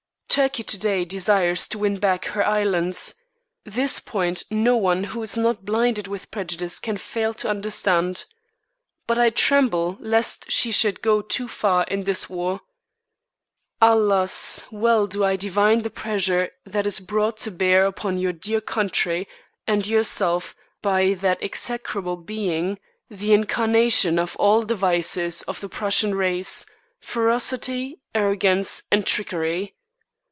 Turkey to day desires to win back her islands; this point no one who is not blinded with prejudice can fail to understand. But I tremble lest she should go too far in this war. Alas! well do I divine the pressure that is brought to bear upon your dear country and yourself by that execrable being, the incarnation of all the vices of the Prussian race, ferocity, arrogance, and trickery.